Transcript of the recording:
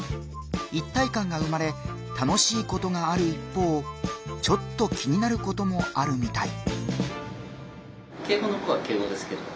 一体感が生まれ楽しいことがある一方ちょっと気になることもあるみたい。